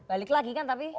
balik lagi kan tapi